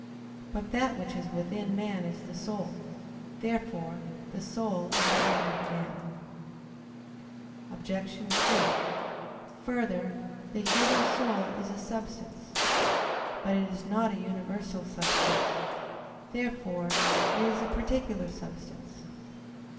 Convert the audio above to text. But that which is within man is the soul. Therefore the soul is the inward man. Obj. 2: Further, the human soul is a substance. But it is not a universal substance. Therefore it is a particular substance.